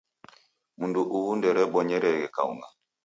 Mndu uhu nderebonyeghe kaung'a